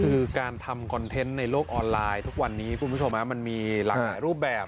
คือการทำคอนเทนต์ในโลกออนไลน์ทุกวันนี้คุณผู้ชมมันมีหลากหลายรูปแบบ